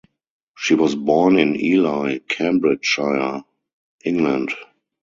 She was born in Ely, Cambridgeshire, England.